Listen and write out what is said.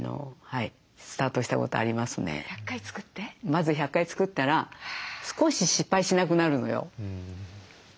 まず１００回作ったら少し失敗しなくなるのよ。